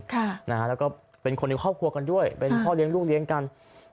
แล้วก็เป็นคนในครอบครัวกันด้วยเป็นพ่อเลี้ยงลูกเลี้ยงกัน